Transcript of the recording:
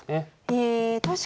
へえ確かに。